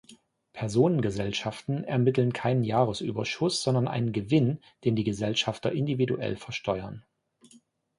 Personengesellschaften ermitteln keinen Jahresüberschuss, sondern einen Gewinn, den die Gesellschafter individuell versteuern.